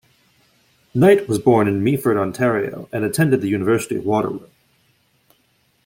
Knight was born in Meaford, Ontario and attended the University of Waterloo.